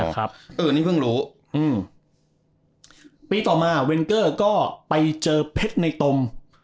อันนี้เพิ่งรู้ปีต่อมาเวนเกอร์ก็ไปเจอเพชรในตม